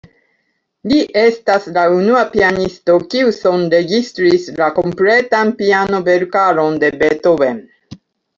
Li estas la unua pianisto, kiu sonregistris la kompletan piano-verkaron de Beethoven.